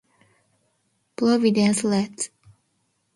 He played with the Buffalo Bisons and the Providence Reds.